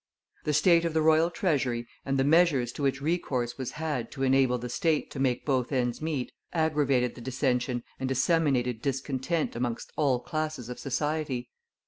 The state of the royal treasury and the measures to which recourse was had to enable the state to make both ends meet, aggravated the dissension and disseminated discontent amongst all classes of society.